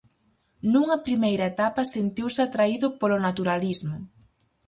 Nunha primeira etapa sentiuse atraído polo naturalismo.